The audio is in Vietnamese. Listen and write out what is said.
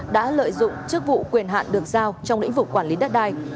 đã lợi dụng chức vụ quyền hạn được giao trong lĩnh vực quản lý đất đai